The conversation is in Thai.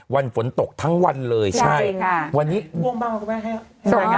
วันฝนตกทั้งวันเลยใช่จริงค่ะ